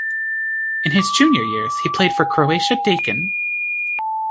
In his junior years he played for Croatia Deakin.